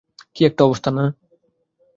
কী একটা অবস্থা, না?